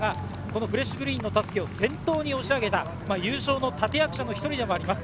フレッシュグリーンの襷を先頭に押し上げた優勝の立て役者の１人でもあります。